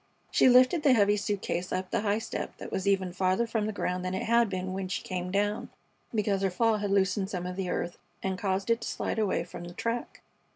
She lifted the heavy suit case up the high step that was even farther from the ground than it had been when she came down, because her fall had loosened some of the earth and caused it to slide away from the track.